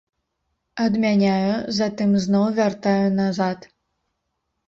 Адмяняю, затым зноў вяртаю назад.